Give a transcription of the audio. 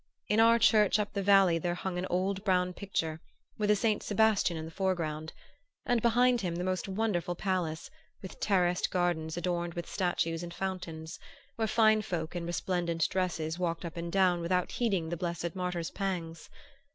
In our church up the valley there hung an old brown picture, with a Saint Sabastian in the foreground; and behind him the most wonderful palace, with terraced gardens adorned with statues and fountains, where fine folk in resplendent dresses walked up and down without heeding the blessed martyr's pangs.